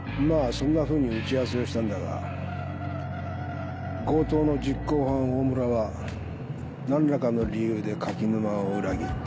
そんなふうに打ち合わせをしたんだが強盗の実行犯オオムラは何らかの理由で垣沼を裏切った。